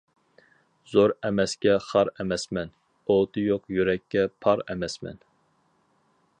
زەر ئەمەسكە خار ئەمەسمەن، ئوتى يوق يۈرەككە پار ئەمەسمەن.